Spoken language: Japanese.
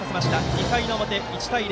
２回の表、１対０。